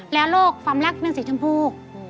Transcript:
และโลกความรักเมืองสีชมพู